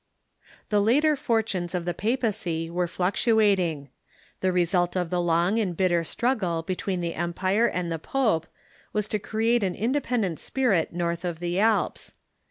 The later fortunes of the papacy were fluctuating. The re sult of the long and bitter struggle between the empire and the pope was to create an independent spirit north of the Alps.